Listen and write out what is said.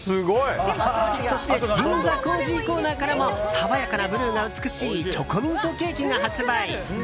そして銀座コージーコーナーからも爽やかなブルーが楽しいチョコミントケーキが発売。